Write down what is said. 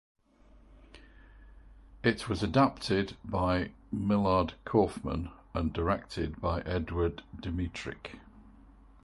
It was adapted by Millard Kaufman and directed by Edward Dmytryk.